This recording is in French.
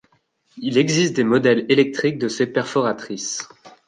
Il existe des modèles électriques de ces perforatrices.